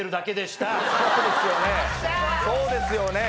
そうですよね